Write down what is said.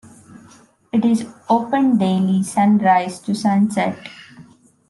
It is open daily sunrise to sunset.